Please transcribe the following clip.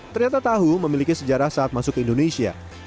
ternyata tahu memiliki sejarah saat masuk ke indonesia